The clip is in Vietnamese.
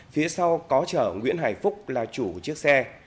phía sau có chở nguyễn hải phúc là chủ chiếc xe